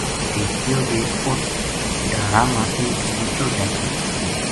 دیکھیو جے اُت ڈھارا ما ایک جِتو جاتک دھریو